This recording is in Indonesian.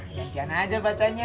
gak gana aja bacanya